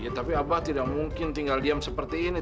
tapi abah tidak mungkin tinggal diam seperti ini